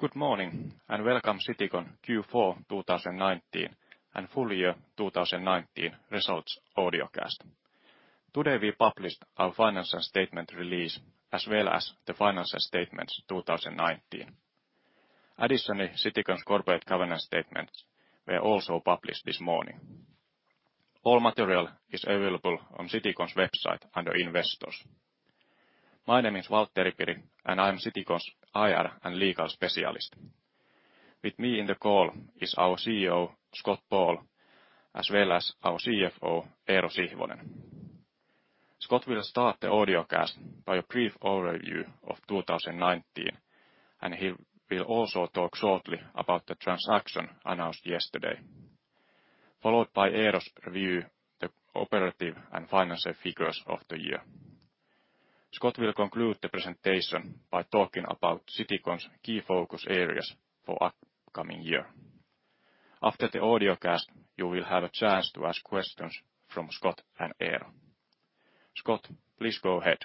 Good morning, welcome to Citycon Q4 2019 and full-year 2019 results audiocast. Today, we published our financial statement release as well as the financial statements 2019. Additionally, Citycon's corporate governance statements were also published this morning. All material is available on Citycon's website under Investors. My name is Valtteri Piri, and I'm Citycon's IR and legal specialist. With me in the call is our CEO, Scott Ball, as well as our CFO, Eero Sihvonen. Scott will start the audiocast by a brief overview of 2019, and he will also talk shortly about the transaction announced yesterday, followed by Eero's review the operative and financial figures of the year. Scott will conclude the presentation by talking about Citycon's key focus areas for upcoming year. After the audiocast, you will have a chance to ask questions from Scott and Eero. Scott, please go ahead.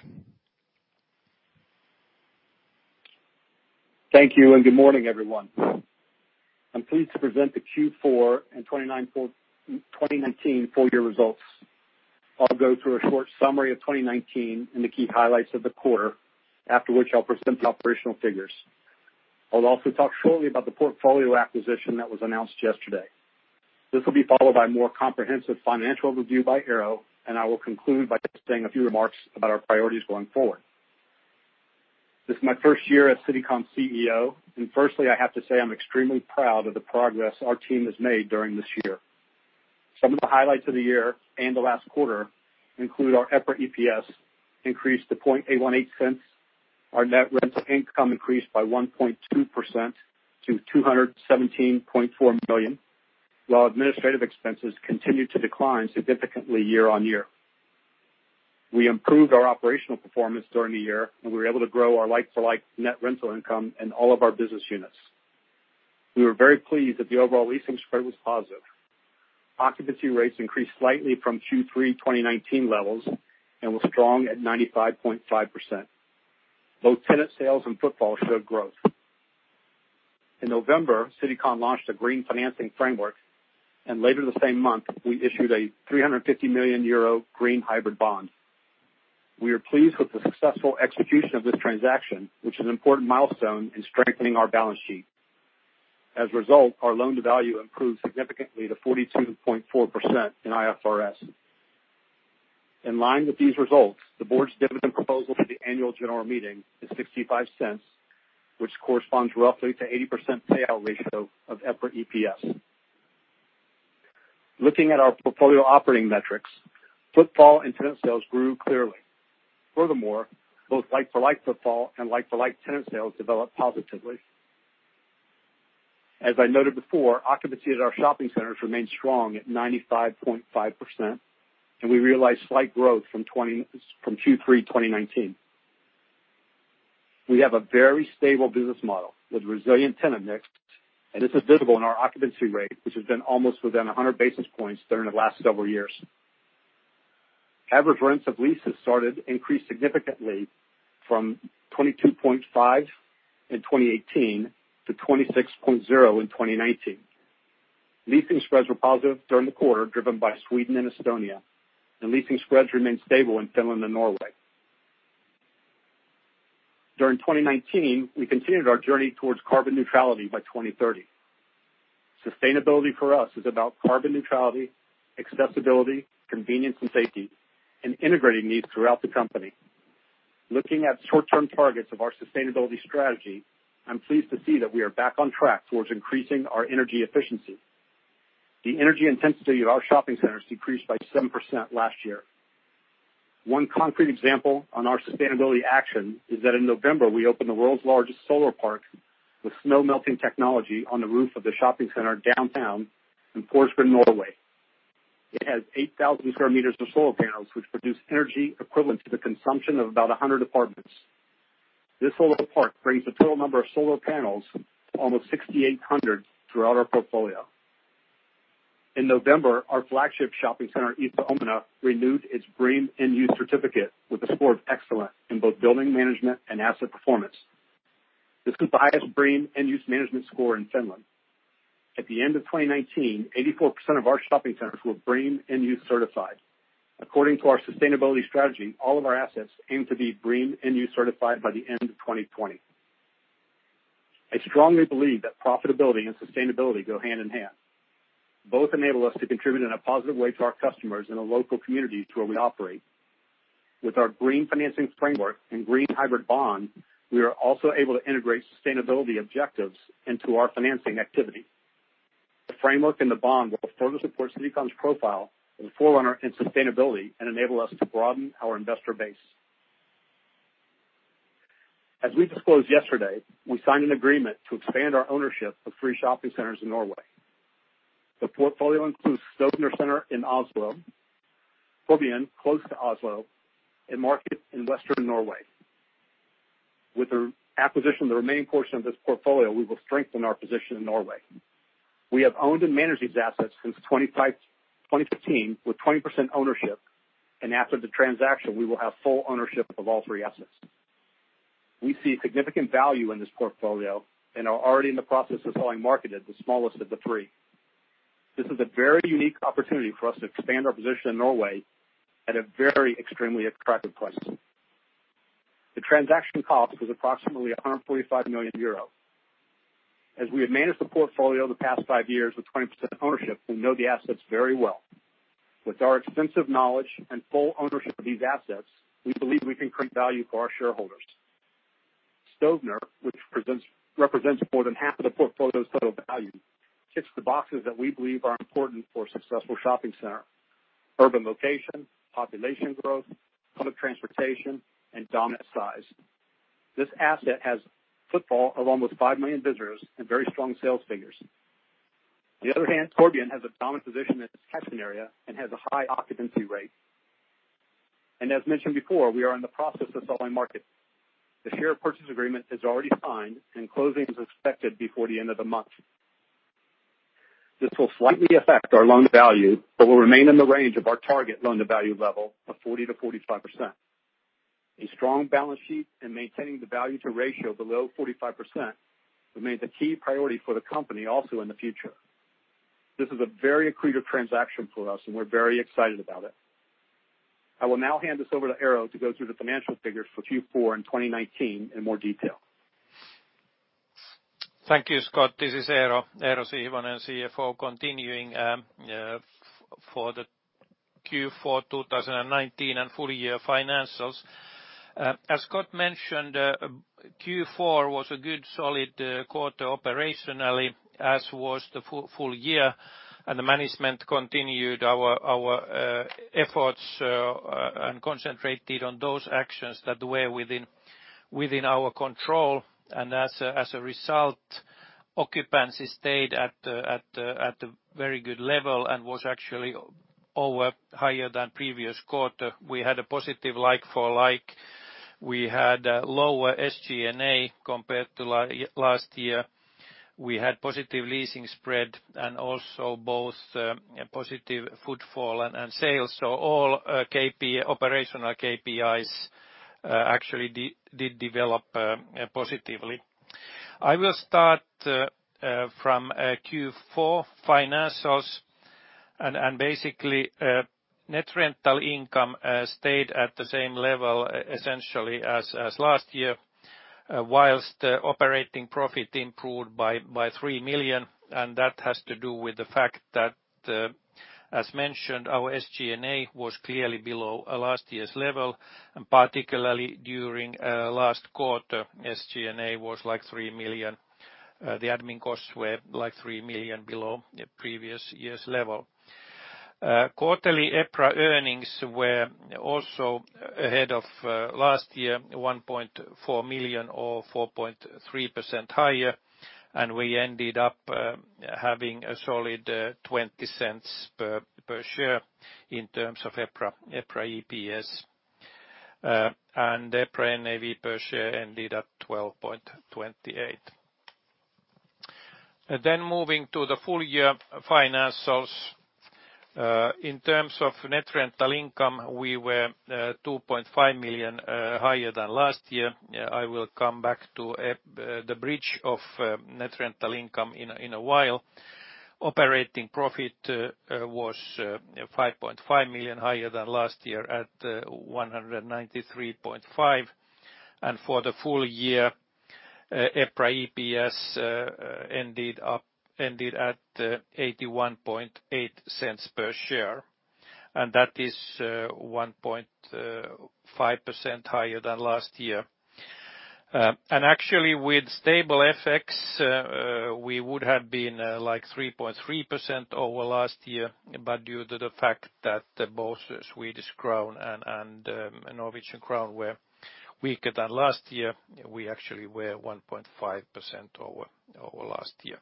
Thank you, and good morning, everyone. I'm pleased to present the Q4 and 2019 full-year results. I'll go through a short summary of 2019 and the key highlights of the quarter, after which I'll present the operational figures. I'll also talk shortly about the portfolio acquisition that was announced yesterday. This will be followed by a more comprehensive financial review by Eero, and I will conclude by saying a few remarks about our priorities going forward. This is my first year as Citycon's CEO, and firstly, I have to say I'm extremely proud of the progress our team has made during this year. Some of the highlights of the year and the last quarter include our EPRA EPS increase to 0.818. Our net rental income increased by 1.2% to 217.4 million. While administrative expenses continued to decline significantly year-on-year. We improved our operational performance during the year, and we were able to grow our like-for-like net rental income in all of our business units. We were very pleased that the overall leasing spread was positive. Occupancy rates increased slightly from Q3 2019 levels and were strong at 95.5%. Both tenant sales and footfall showed growth. In November, Citycon launched a green financing framework, and later the same month, we issued a 350 million euro green hybrid bond. We are pleased with the successful execution of this transaction, which is an important milestone in strengthening our balance sheet. As a result, our loan-to-value improved significantly to 42.4% in IFRS. In line with these results, the board's dividend proposal for the annual general meeting is 0.65, which corresponds roughly to 80% payout ratio of EPRA EPS. Looking at our portfolio operating metrics, footfall and tenant sales grew clearly. Furthermore, both like-for-like footfall and like-for-like tenant sales developed positively. As I noted before, occupancy at our shopping centers remained strong at 95.5%, and we realized slight growth from Q3 2019. We have a very stable business model with resilient tenant mix, and this is visible in our occupancy rate, which has been almost within 100 basis points during the last several years. Average rents of leases started increased significantly from 22.5 in 2018 to 26.0 in 2019. Leasing spreads were positive during the quarter, driven by Sweden and Estonia, and leasing spreads remained stable in Finland and Norway. During 2019, we continued our journey towards carbon neutrality by 2030. Sustainability for us is about carbon neutrality, accessibility, convenience, and safety, and integrating these throughout the company. Looking at short-term targets of our sustainability strategy, I'm pleased to see that we are back on track towards increasing our energy efficiency. The energy intensity of our shopping centers decreased by 7% last year. One concrete example on our sustainability action is that in November, we opened the world's largest solar park with snow-melting technology on the roof of the shopping center downtown in Porsgrunn, Norway. It has 8,000 sq m of solar panels, which produce energy equivalent to the consumption of about 100 apartments. This solar park brings the total number of solar panels to almost 6,800 throughout our portfolio. In November, our flagship shopping center, Itäkeskus, renewed its BREEAM In-Use certificate with a score of excellent in both building management and asset performance. This is the highest BREEAM In-Use management score in Finland. At the end of 2019, 84% of our shopping centers were BREEAM In-Use certified. According to our sustainability strategy, all of our assets aim to be BREEAM In-Use certified by the end of 2020. I strongly believe that profitability and sustainability go hand in hand. Both enable us to contribute in a positive way to our customers in the local communities where we operate. With our Green Financing Framework and green hybrid bond, we are also able to integrate sustainability objectives into our financing activity. The framework and the bond will further support Citycon's profile as a forerunner in sustainability and enable us to broaden our investor base. As we disclosed yesterday, we signed an agreement to expand our ownership of three shopping centers in Norway. The portfolio includes Stovner Senter in Oslo, Fornebu close to Oslo, and Markedet in Western Norway. With the acquisition of the remaining portion of this portfolio, we will strengthen our position in Norway. We have owned and managed these assets since 2015 with 20% ownership, and after the transaction, we will have full ownership of all three assets. We see significant value in this portfolio and are already in the process of selling Markedet as the smallest of the three. This is a very unique opportunity for us to expand our position in Norway at a very extremely attractive price. The transaction cost was approximately 145 million euros. As we have managed the portfolio the past five years with 20% ownership, we know the assets very well. With our extensive knowledge and full ownership of these assets, we believe we can create value for our shareholders. Stovner, which represents more than half of the portfolio's total value, ticks the boxes that we believe are important for a successful shopping center, urban location, population growth, public transportation, and dominant size. This asset has footfall along with 5 million visitors and very strong sales figures. On the other hand, Torvbyen has a dominant position in its catching area and has a high occupancy rate. As mentioned before, we are in the process of selling Markedet. The share purchase agreement is already signed, and closing is expected before the end of the month. This will slightly affect our loan value but will remain in the range of our target loan-to-value level of 40%-45%. A strong balance sheet and maintaining the loan-to-value ratio below 45% remains a key priority for the company also in the future. This is a very accretive transaction for us, and we're very excited about it. I will now hand this over to Eero to go through the financial figures for Q4 and 2019 in more detail. Thank you, Scott. This is Eero Sihvonen, CFO, continuing for the Q4 2019 and full-year financials. As Scott mentioned, Q4 was a good solid quarter operationally, as was the full-year. The management continued our efforts and concentrated on those actions that were within our control. As a result, occupancy stayed at a very good level and was actually higher than previous quarter. We had a positive like-for-like. We had lower SG&A compared to last year. We had positive leasing spread and also both positive footfall and sales. All operational KPIs actually did develop positively. I will start from Q4 financials. Basically net rental income stayed at the same level essentially as last year, whilst operating profit improved by 3 million. That has to do with the fact that, as mentioned, our SG&A was clearly below last year's level, particularly during last quarter, SG&A was 3 million. The admin costs were 3 million below the previous year's level. Quarterly EPRA earnings were also ahead of last year, 1.4 million or 4.3% higher. We ended up having a solid 0.20 per share in terms of EPRA EPS. EPRA NAV per share ended at 12.28. Moving to the full-year financials. In terms of net rental income, we were 2.5 million higher than last year. I will come back to the bridge of net rental income in a while. Operating profit was 5.5 million higher than last year at 193.5 million. For the full-year, EPRA EPS ended at 0.818 per share. That is 1.5% higher than last year. Actually with stable FX, we would have been 3.3% over last year. Due to the fact that both Swedish krona and Norwegian krone were weaker than last year, we actually were 1.5% over last year.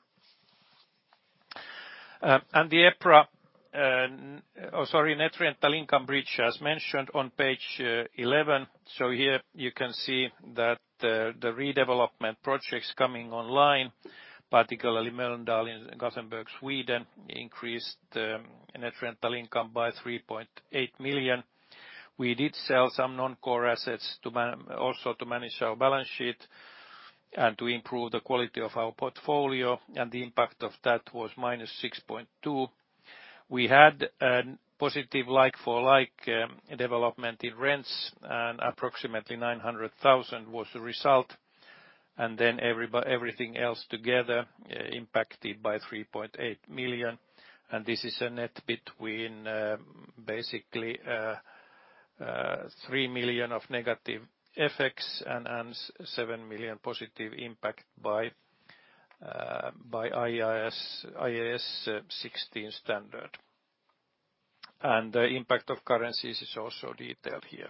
The net rental income bridge, as mentioned on page 11. Here you can see that the redevelopment projects coming online, particularly Mölndal in Gothenburg, Sweden, increased net rental income by 3.8 million. We did sell some non-core assets also to manage our balance sheet and to improve the quality of our portfolio, and the impact of that was -6.2 million. We had a positive like-for-like development in rents, and approximately 900,000 was the result. Everything else together impacted by 3.8 million. This is a net between basically 3 million of negative effects and 7 million positive impact by IFRS 16 standard. The impact of currencies is also detailed here.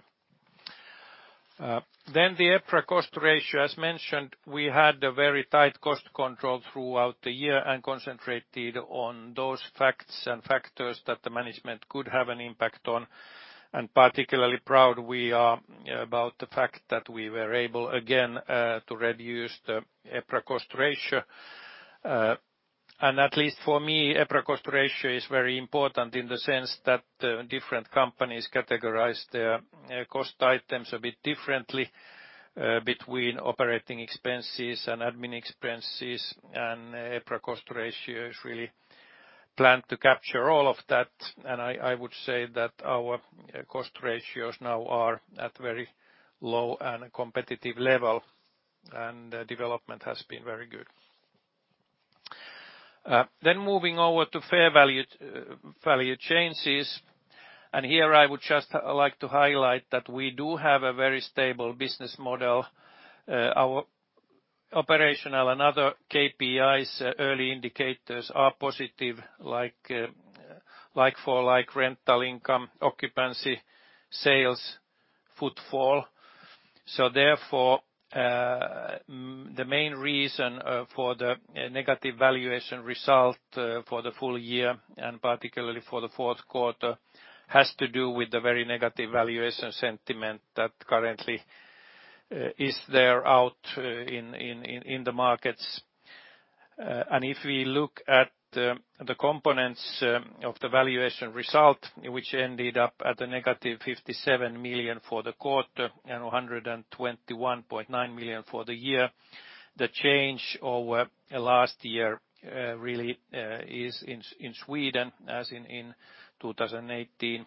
The EPRA cost ratio, as mentioned, we had a very tight cost control throughout the year and concentrated on those facts and factors that the management could have an impact on. Particularly proud we are about the fact that we were able again to reduce the EPRA cost ratio. At least for me, EPRA cost ratio is very important in the sense that different companies categorize their cost items a bit differently between operating expenses and admin expenses, and EPRA cost ratio is really planned to capture all of that. I would say that our cost ratios now are at very low and competitive level, and development has been very good. Moving over to fair value changes. Here, I would just like to highlight that we do have a very stable business model. Our operational and other KPIs early indicators are positive, like for rental income, occupancy, sales, footfall. Therefore, the main reason for the negative valuation result for the full-year, and particularly for the fourth quarter, has to do with the very negative valuation sentiment that currently is there out in the markets. If we look at the components of the valuation result, which ended up at a negative 57 million for the quarter and 121.9 million for the year, the change over last year really is in Sweden. As in 2018,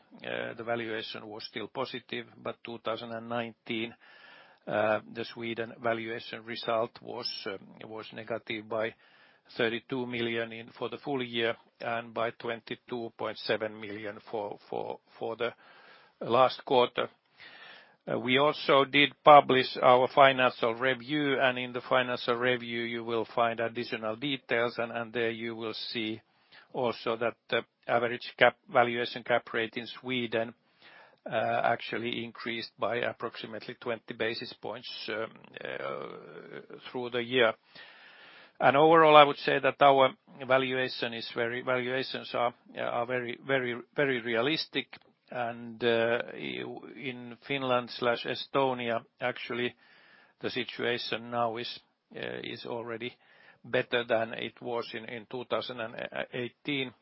the valuation was still positive, but 2019 the Sweden valuation result was negative by 32 million for the full-year and by 22.7 million for the last quarter. We also did publish our financial review. In the financial review, you will find additional details. There you will see also that the average valuation cap rate in Sweden actually increased by approximately 20 basis points through the year. Overall, I would say that our valuations are very realistic. In Finland/Estonia, actually, the situation now is already better than it was in 2018,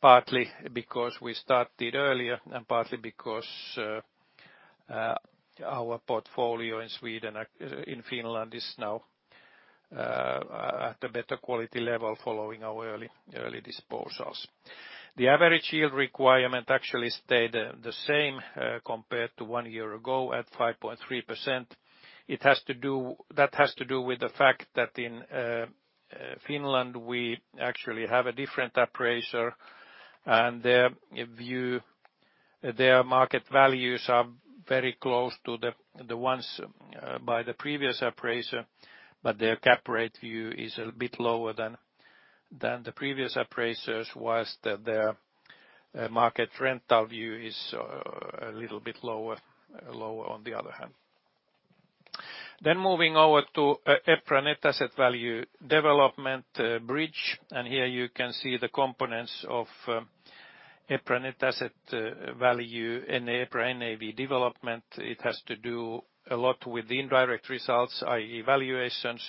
partly because we started earlier and partly because our portfolio in Finland is now at a better quality level following our early disposals. The average yield requirement actually stayed the same compared to one year ago at 5.3%. That has to do with the fact that in Finland, we actually have a different appraiser, and their market values are very close to the ones by the previous appraiser, but their cap rate view is a bit lower than the previous appraisers, while their market rental view is a little bit lower on the other hand. Moving over to EPRA net asset value development bridge. Here you can see the components of EPRA net asset value in EPRA NAV development. It has to do a lot with indirect results, i.e. valuations,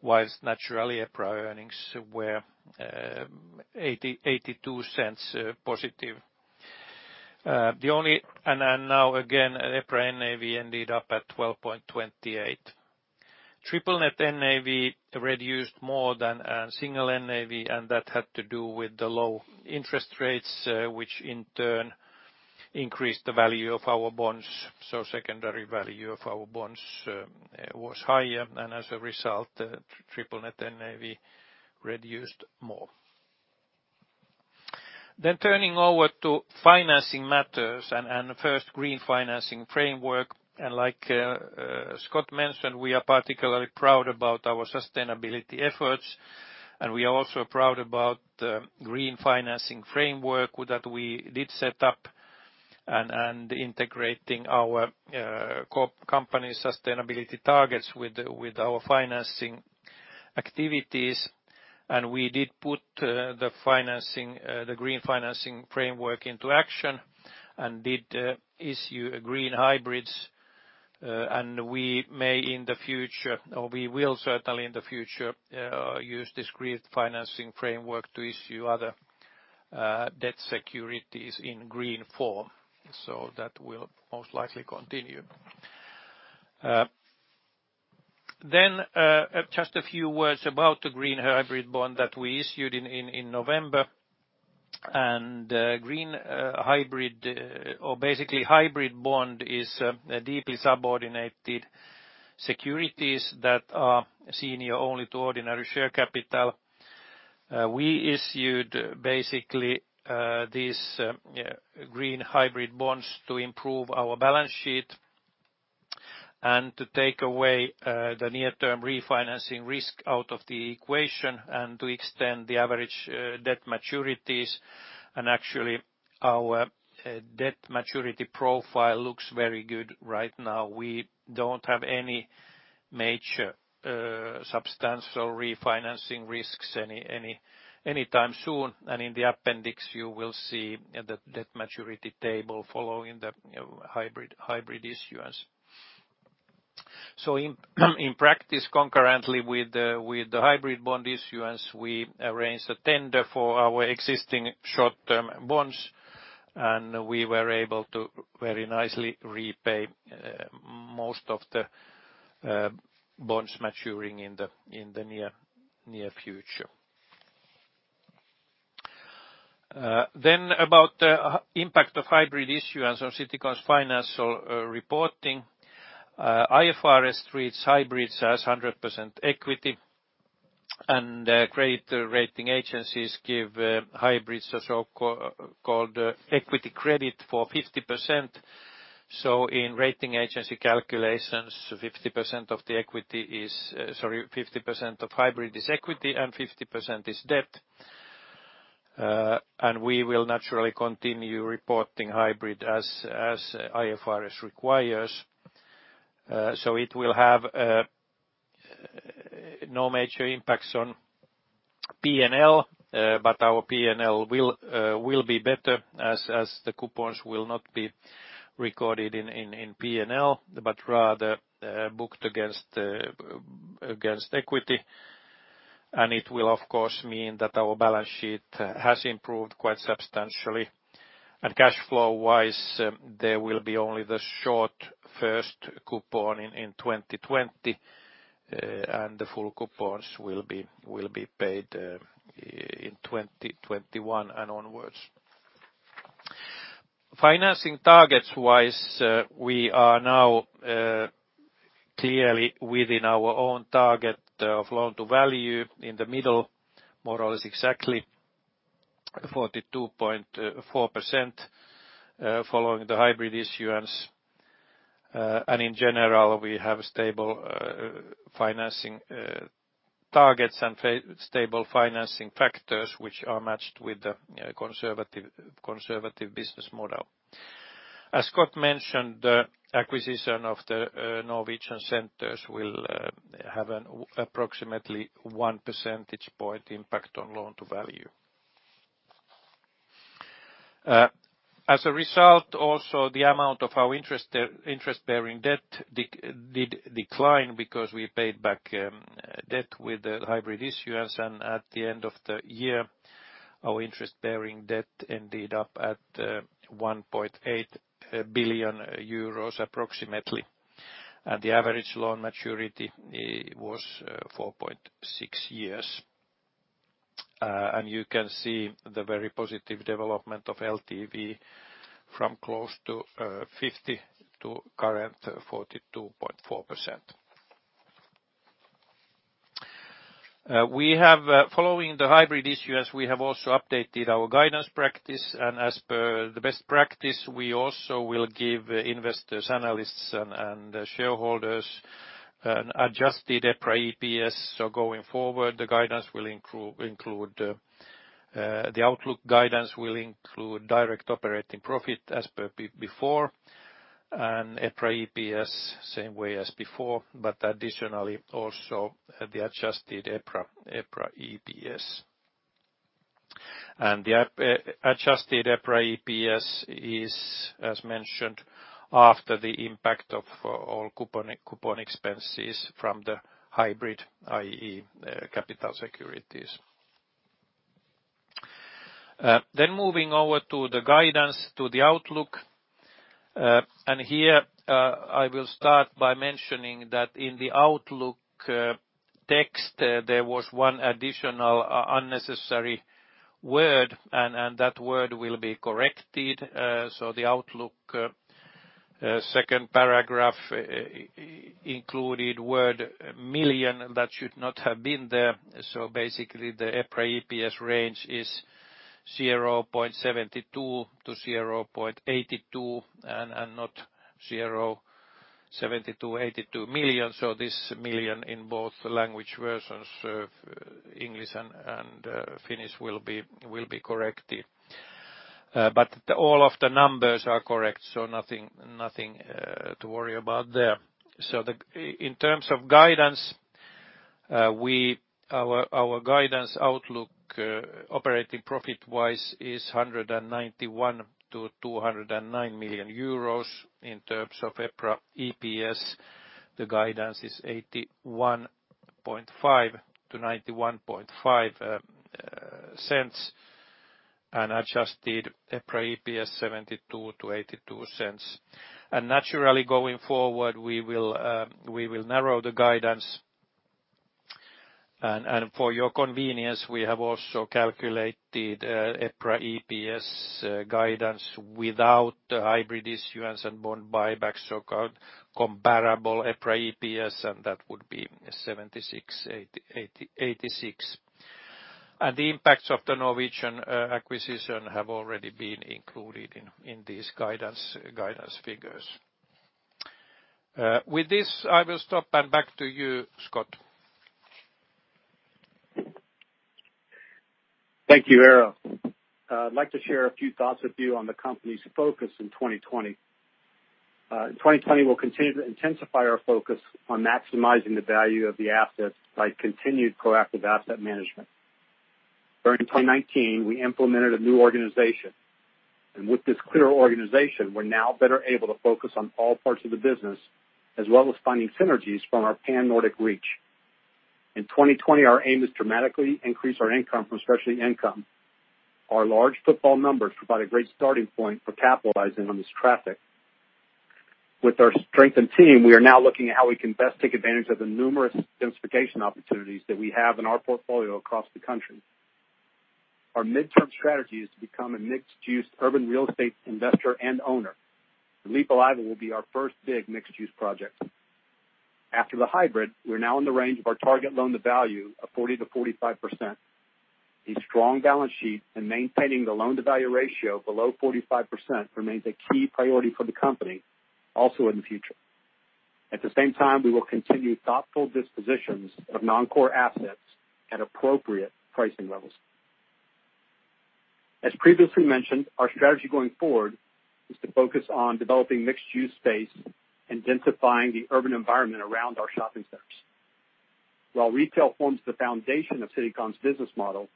while naturally EPRA earnings were 0.82 positive. Now again, EPRA NAV ended up at 12.28. Triple Net NAV reduced more than single NAV, and that had to do with the low interest rates which in turn increased the value of our bonds. Secondary value of our bonds was higher, and as a result, triple net NAV reduced more. Turning over to financing matters, first, Green Financing Framework. Like Scott mentioned, we are particularly proud about our sustainability efforts, and we are also proud about the Green Financing Framework that we did set up and integrating our company sustainability targets with our financing activities. We did put the Green Financing Framework into action and did issue a green hybrids. We may in the future, or we will certainly in the future, use this Green Financing Framework to issue other debt securities in green form. That will most likely continue. Just a few words about the green hybrid bond that we issued in November. Green hybrid or basically hybrid bond is deeply subordinated securities that are senior only to ordinary share capital. We issued basically these green hybrid bonds to improve our balance sheet and to take away the near-term refinancing risk out of the equation and to extend the average debt maturities. Actually, our debt maturity profile looks very good right now. We don't have any major substantial refinancing risks anytime soon. In the appendix, you will see the debt maturity table following the hybrid issuance. So in practice, concurrently with the hybrid bond issuance, we arranged a tender for our existing short-term bonds, and we were able to very nicely repay most of the bonds maturing in the near future. About the impact of hybrid issuance on Citycon's financial reporting. IFRS treats hybrids as 100% equity, and credit rating agencies give hybrids a so-called equity credit for 50%. In rating agency calculations, 50% of hybrid is equity and 50% is debt. We will naturally continue reporting hybrid as IFRS requires. It will have no major impacts on P&L, but our P&L will be better as the coupons will not be recorded in P&L, but rather booked against equity. It will, of course, mean that our balance sheet has improved quite substantially. Cash flow-wise, there will be only the short first coupon in 2020. The full coupons will be paid in 2021 and onwards. Financing targets-wise, we are now clearly within our own target of loan-to-value in the middle, more or less exactly 42.4% following the hybrid issuance. In general, we have stable financing targets and stable financing factors, which are matched with the conservative business model. As Scott mentioned, the acquisition of the Norwegian centers will have an approximately one percentage point impact on loan-to-value. As a result, the amount of our interest-bearing debt did decline because we paid back debt with the hybrid issuance. At the end of the year, our interest-bearing debt ended up at 1.8 billion euros approximately, and the average loan maturity was 4.6 years. You can see the very positive development of LTV from close to 50 to current 42.4%. Following the hybrid issuance, we have also updated our guidance practice. As per the best practice, we also will give investors, analysts, and shareholders an adjusted EPRA EPS. Going forward, the outlook guidance will include direct operating profit as per before and EPRA EPS same way as before, but additionally also the adjusted EPRA EPS. The adjusted EPRA EPS is, as mentioned, after the impact of all coupon expenses from the hybrid, i.e., capital securities. Moving over to the guidance to the outlook. Here, I will start by mentioning that in the outlook text, there was one additional unnecessary word, and that word will be corrected. The outlook second paragraph included word million that should not have been there. Basically, the EPRA EPS range is 0.72 to 0.82 and not 0.72, 0.82 million. This million in both language versions of English and Finnish will be corrected. All of the numbers are correct, so nothing to worry about there. In terms of guidance, our guidance outlook operating profit-wise is 191 million-209 million euros. In terms of EPRA EPS, the guidance is 0.815-0.915 and adjusted EPRA EPS 0.72-0.82. Naturally, going forward, we will narrow the guidance. For your convenience, we have also calculated EPRA EPS guidance without hybrid issuance and bond buybacks, so-called comparable EPRA EPS, and that would be 0.76-0.86. The impacts of the Norwegian acquisition have already been included in these guidance figures. With this, I will stop and back to you, Scott. Thank you, Eero. I'd like to share a few thoughts with you on the company's focus in 2020. In 2020, we'll continue to intensify our focus on maximizing the value of the assets by continued proactive asset management. During 2019, we implemented a new organization. With this clear organization, we're now better able to focus on all parts of the business, as well as finding synergies from our pan-Nordic reach. In 2020, our aim is to dramatically increase our income from specialty income. Our large footfall numbers provide a great starting point for capitalizing on this traffic. With our strengthened team, we are now looking at how we can best take advantage of the numerous densification opportunities that we have in our portfolio across the country. Our midterm strategy is to become a mixed-use urban real estate investor and owner. Lippulaiva will be our first big mixed-use project. After the hybrid, we're now in the range of our target loan-to-value of 40%-45%. A strong balance sheet and maintaining the loan-to-value ratio below 45% remains a key priority for the company also in the future. At the same time, we will continue thoughtful dispositions of non-core assets at appropriate pricing levels. As previously mentioned, our strategy going forward is to focus on developing mixed-use space and densifying the urban environment around our shopping centers. While retail forms the foundation of Citycon's business model,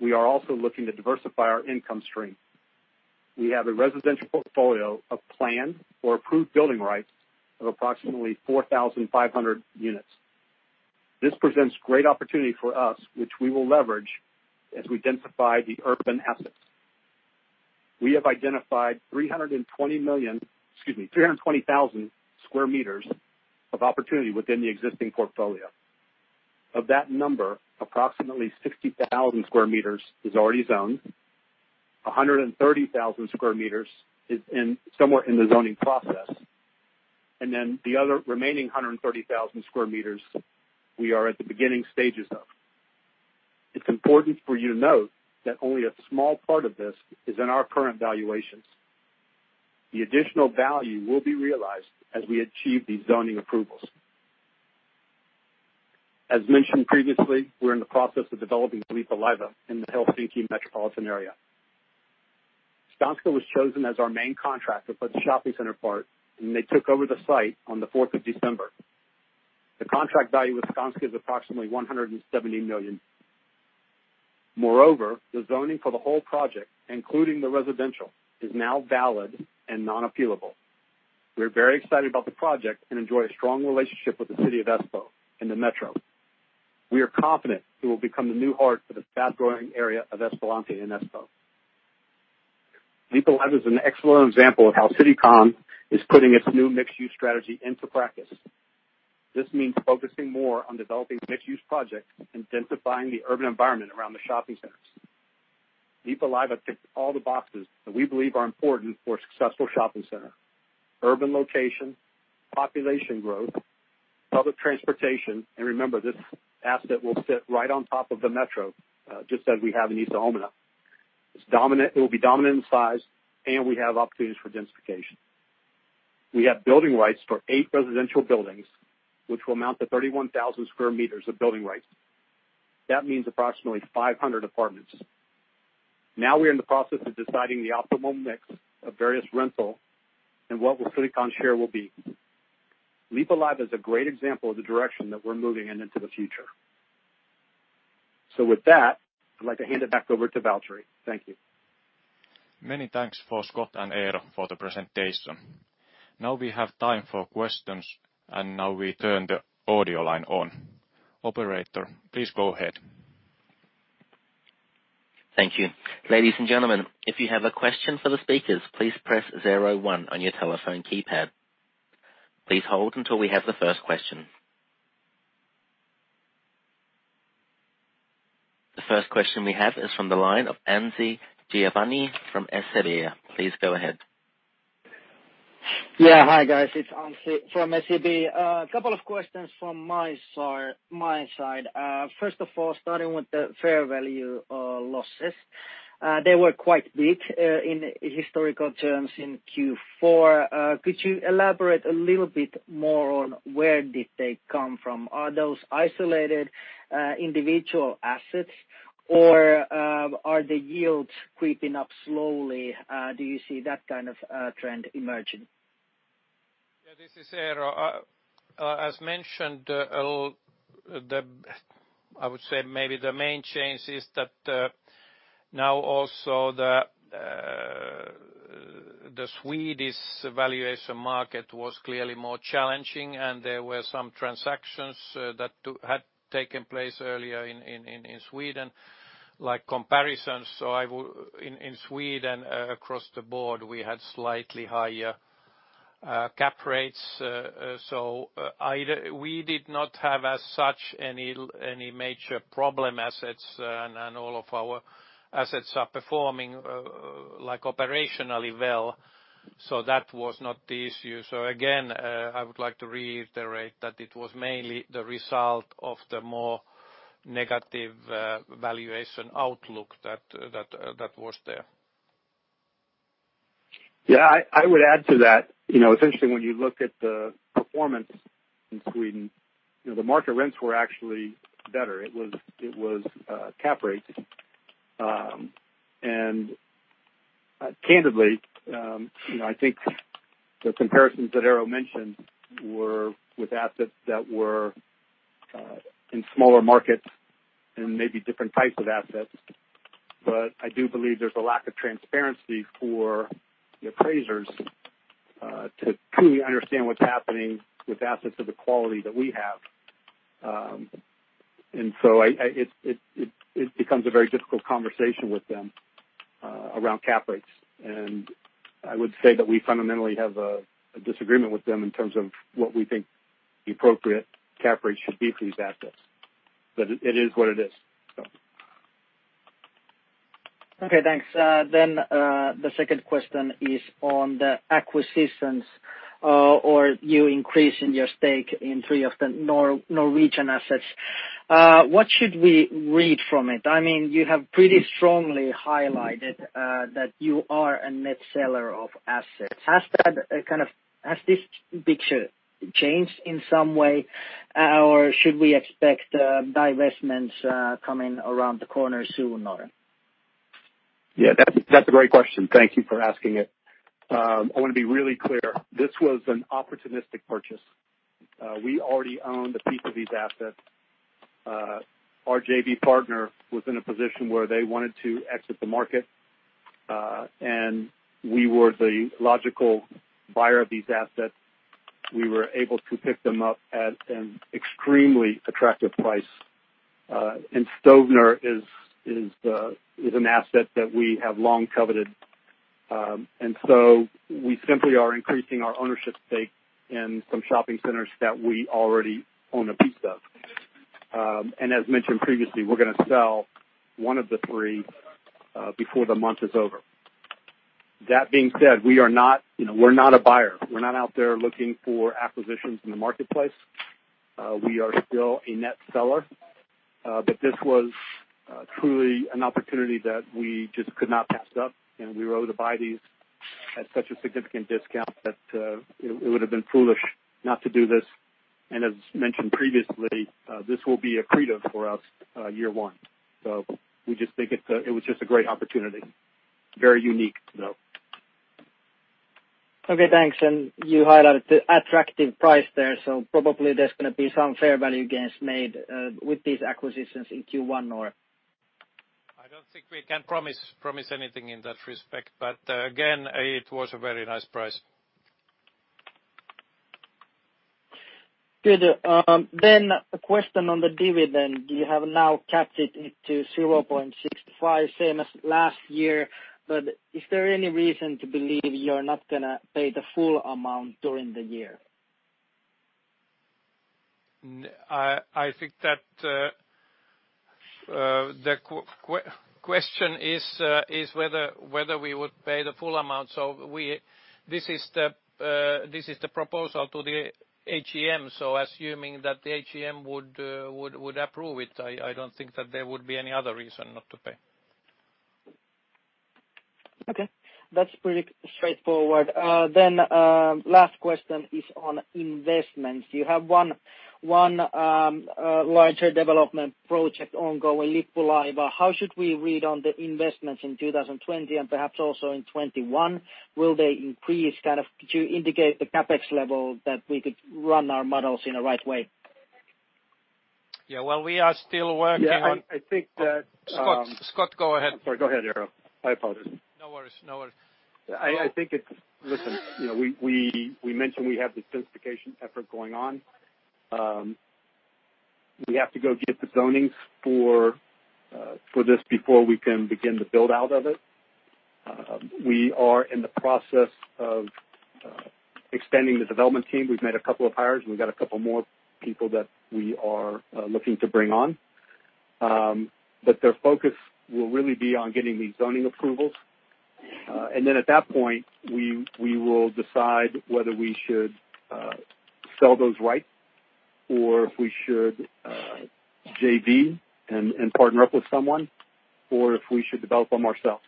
we are also looking to diversify our income stream. We have a residential portfolio of planned or approved building rights of approximately 4,500 units. This presents great opportunity for us, which we will leverage as we densify the urban assets. We have identified 320,000 sq m of opportunity within the existing portfolio. Of that number, approximately 60,000 sq m is already zoned, 130,000 sq m is somewhere in the zoning process, and then the other remaining 130,000 sq m, we are at the beginning stages of. It's important for you to note that only a small part of this is in our current valuations. The additional value will be realized as we achieve these zoning approvals. As mentioned previously, we're in the process of developing Lippulaiva in the Helsinki metropolitan area. Skanska was chosen as our main contractor for the shopping center part, and they took over the site on the 4th of December. The contract value with Skanska is approximately 170 million. Moreover, the zoning for the whole project, including the residential, is now valid and non-appealable. We're very excited about the project and enjoy a strong relationship with the city of Espoo in the metro. We are confident it will become the new heart for the fast-growing area of Espoonlahti and Espoo. Lippulaiva is an excellent example of how Citycon is putting its new mixed-use strategy into practice. This means focusing more on developing mixed-use projects and densifying the urban environment around the shopping centers. Lippulaiva ticks all the boxes that we believe are important for a successful shopping center: urban location, population growth, public transportation, and remember, this asset will sit right on top of the metro, just as we have in Itäkeskus. It will be dominant in size, and we have opportunities for densification. We have building rights for eight residential buildings, which will amount to 31,000 sq m of building rights. That means approximately 500 apartments. Now we are in the process of deciding the optimal mix of various rental and what Citycon's share will be. Lippulaiva is a great example of the direction that we're moving in into the future. With that, I'd like to hand it back over to Valtteri. Thank you. Many thanks for Scott and Eero for the presentation. Now we have time for questions, and now we turn the audio line on. Operator, please go ahead. Thank you. Ladies and gentlemen, if you have a question for the speakers, please press zero one on your telephone keypad. Please hold until we have the first question. The first question we have is from the line of Anssi Kiviniemi from SEB. Please go ahead. Yeah. Hi, guys. It's Anssi from SEB. A couple of questions from my side. First of all, starting with the fair value losses. They were quite big in historical terms in Q4. Could you elaborate a little bit more on where did they come from? Are those isolated individual assets, or are the yields creeping up slowly? Do you see that kind of trend emerging? Yeah, this is Eero. As mentioned, I would say maybe the main change is that now also the Swedish valuation market was clearly more challenging, and there were some transactions that had taken place earlier in Sweden like comparisons. In Sweden, across the board, we had slightly higher cap rates. We did not have as such any major problem assets, and all of our assets are performing operationally well. That was not the issue. Again, I would like to reiterate that it was mainly the result of the more negative valuation outlook that was there. Yeah, I would add to that. It's interesting when you look at the performance in Sweden. The market rents were actually better. It was cap rate. Candidly, I think the comparisons that Eero mentioned were with assets that were in smaller markets and maybe different types of assets. I do believe there's a lack of transparency for the appraisers to truly understand what's happening with assets of the quality that we have. It becomes a very difficult conversation with them around cap rates. I would say that we fundamentally have a disagreement with them in terms of what we think the appropriate cap rate should be for these assets. It is what it is. Okay, thanks. The second question is on the acquisitions or you increasing your stake in three of the Norwegian assets. What should we read from it? You have pretty strongly highlighted that you are a net seller of assets. Has this picture changed in some way, or should we expect divestments coming around the corner soon, or? Yeah, that's a great question. Thank you for asking it. I want to be really clear. This was an opportunistic purchase. We already owned a piece of these assets. Our JV partner was in a position where they wanted to exit the market, we were the logical buyer of these assets. We were able to pick them up at an extremely attractive price. Stovner is an asset that we have long coveted. We simply are increasing our ownership stake in some shopping centers that we already own a piece of. As mentioned previously, we're going to sell one of the three before the month is over. That being said, we're not a buyer. We're not out there looking for acquisitions in the marketplace. We are still a net seller. This was truly an opportunity that we just could not pass up, and we were able to buy these at such a significant discount that it would have been foolish not to do this. As mentioned previously, this will be accretive for us year one. We just think it was just a great opportunity. Very unique though. Okay, thanks. You highlighted the attractive price there, so probably there's going to be some fair value gains made with these acquisitions in Q1 or? I don't think we can promise anything in that respect. Again, it was a very nice price. Good. A question on the dividend. You have now capped it to 0.65, same as last year. Is there any reason to believe you're not going to pay the full amount during the year? I think that the question is whether we would pay the full amount. This is the proposal to the AGM. Assuming that the AGM would approve it, I don't think that there would be any other reason not to pay. Okay. That's pretty straightforward. Last question is on investments. You have one larger development project ongoing, Lippulaiva. How should we read on the investments in 2020 and perhaps also in 2021? Will they increase to indicate the CapEx level that we could run our models in the right way? Yeah. Well, we are still working on. Yeah, I think. Scott, go ahead. Sorry, go ahead, Eero. I apologize. No worries. Listen, we mentioned we have this densification effort going on. We have to go get the zonings for this before we can begin the build-out of it. We are in the process of extending the development team. We've made a couple of hires, and we've got a couple more people that we are looking to bring on. Their focus will really be on getting the zoning approvals. Then at that point, we will decide whether we should sell those rights or if we should JV and partner up with someone, or if we should develop them ourselves.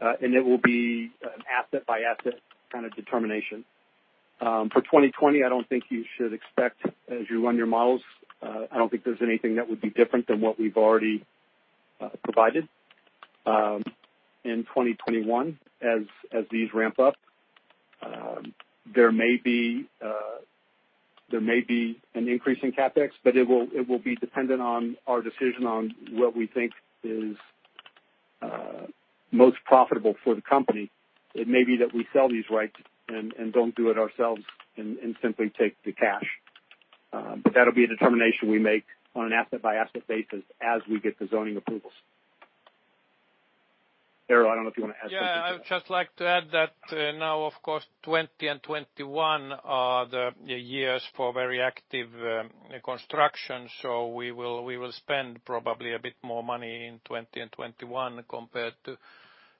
It will be an asset by asset kind of determination. For 2020, I don't think you should expect, as you run your models, I don't think there's anything that would be different than what we've already provided. In 2021, as these ramp up, there may be an increase in CapEx, but it will be dependent on our decision on what we think is most profitable for the company. It may be that we sell these rights and don't do it ourselves and simply take the cash. That'll be a determination we make on an asset by asset basis as we get the zoning approvals. Eero, I don't know if you want to add something to that. Yeah, I'd just like to add that now, of course, 2020 and 2021 are the years for very active construction. We will spend probably a bit more money in 2020 and 2021 compared to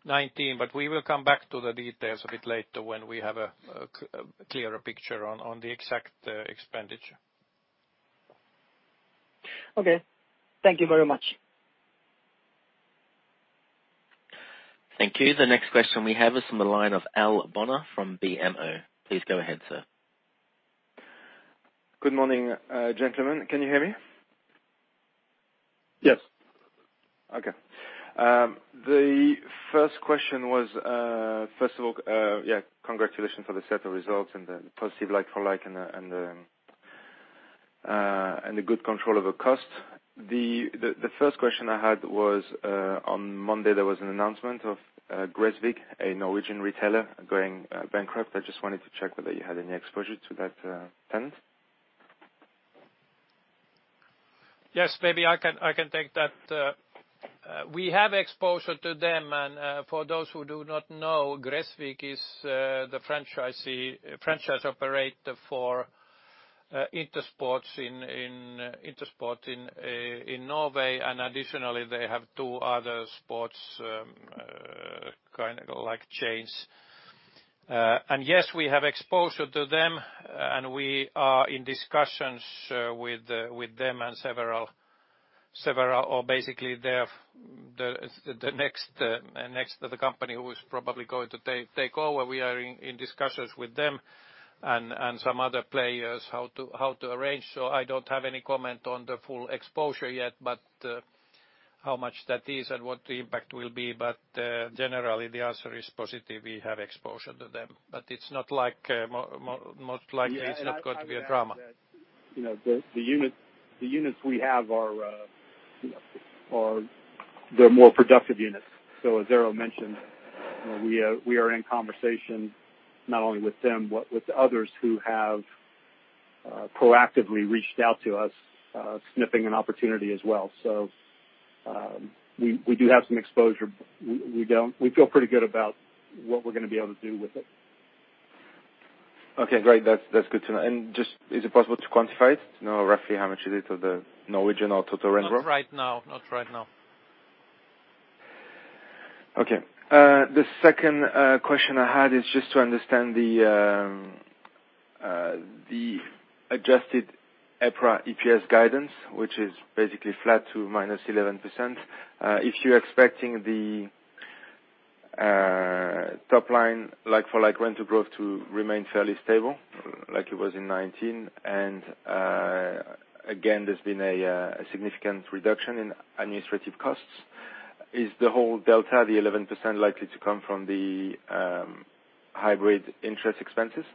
2019, but we will come back to the details a bit later when we have a clearer picture on the exact expenditure. Okay. Thank you very much. Thank you. The next question we have is from the line of [inaudible] from BMO. Please go ahead, sir. Good morning, gentlemen. Can you hear me? Yes. The first question was, first of all, congratulations for the set of results and the positive like-for-like and the good control of the cost. The first question I had was, on Monday, there was an announcement of Gresvig, a Norwegian retailer, going bankrupt. I just wanted to check whether you had any exposure to that tenant. Yes. Maybe I can take that. We have exposure to them. For those who do not know, Gresvig is the franchise operator for Intersport in Norway. Additionally, they have two other sports chains. Yes, we have exposure to them. We are in discussions with them and several or basically the next company who is probably going to take over. We are in discussions with them and some other players how to arrange. I don't have any comment on the full exposure yet, but how much that is and what the impact will be. Generally, the answer is positive. We have exposure to them. Most likely it's not going to be a drama. The units we have they're more productive units. As Eero mentioned, we are in conversation not only with them, but with others who have proactively reached out to us sniffing an opportunity as well. We do have some exposure. We feel pretty good about what we're going to be able to do with it. Okay, great. That's good to know. Just, is it possible to quantify it? To know roughly how much it is of the Norwegian or total rental? Not right now. Okay. The second question I had is just to understand the adjusted EPRA EPS guidance, which is basically flat to minus 11%. If you're expecting the top line like-for-like rent to grow to remain fairly stable like it was in 2019, and again, there's been a significant reduction in administrative costs. Is the whole delta, the 11% likely to come from the hybrid interest expenses?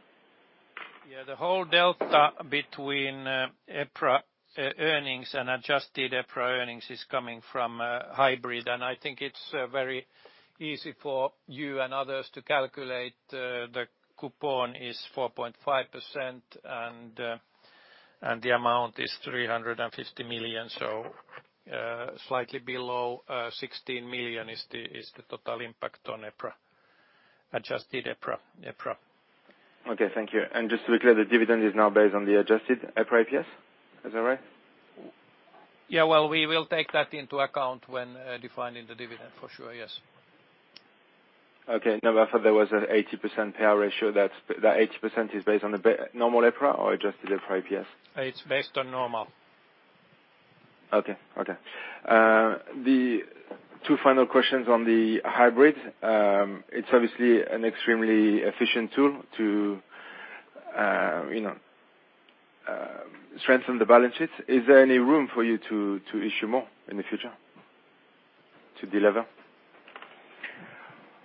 The whole delta between EPRA earnings and adjusted EPRA earnings is coming from hybrid, and I think it's very easy for you and others to calculate the coupon is 4.5% and the amount is 350 million. Slightly below 16 million is the total impact on adjusted EPRA. Okay, thank you. Just to be clear, the dividend is now based on the adjusted EPRA EPS. Is that right? Yeah. Well, we will take that into account when defining the dividend for sure. Yes. Okay. No, but I thought there was an 80% payout ratio. That 80% is based on the normal EPRA or adjusted EPRA EPS? It's based on normal. Okay. The two final questions on the hybrid. It's obviously an extremely efficient tool to strengthen the balance sheet. Is there any room for you to issue more in the future to deliver?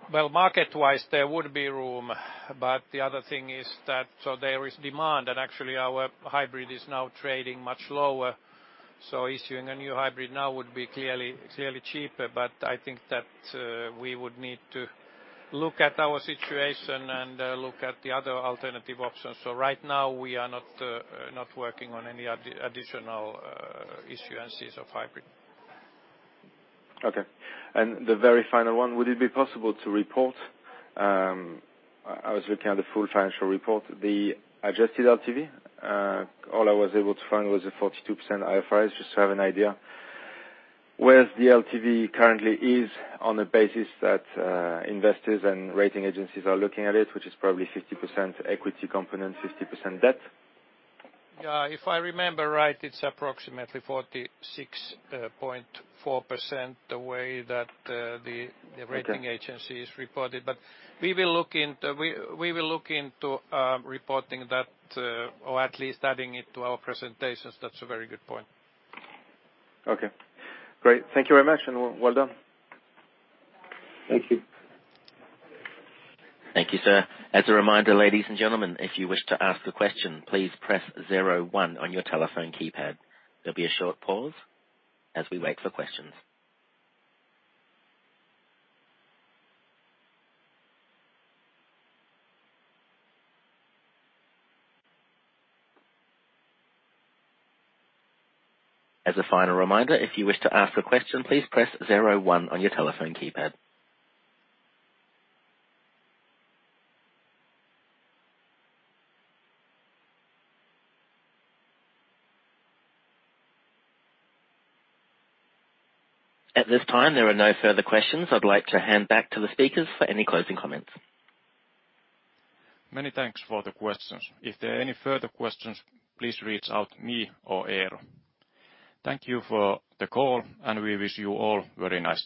Well, market-wise, there would be room. The other thing is that so there is demand, and actually our hybrid is now trading much lower. Issuing a new hybrid now would be clearly cheaper, but I think that we would need to look at our situation and look at the other alternative options. Right now, we are not working on any additional issuances of hybrid. Okay. The very final one, would it be possible to report, I was looking at the full financial report, the adjusted LTV? All I was able to find was a 42% IFRS, just to have an idea. Where the LTV currently is on the basis that investors and rating agencies are looking at it, which is probably 50% equity component, 50% debt. Yeah. If I remember right, it's approximately 46.4% the way that the rating agency is reported. We will look into reporting that or at least adding it to our presentations. That's a very good point. Okay, great. Thank you very much, and well done. Thank you. Thank you, sir. As a reminder, ladies and gentlemen, if you wish to ask a question, please press zero one on your telephone keypad. There'll be a short pause as we wait for questions. As a final reminder, if you wish to ask a question, please press zero one on your telephone keypad. At this time, there are no further questions. I'd like to hand back to the speakers for any closing comments. Many thanks for the questions. If there are any further questions, please reach out to me or Eero. Thank you for the call, and we wish you all a very nice day.